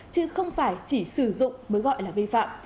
chứ không phải chỉ sử dụng mới gọi là vi phạm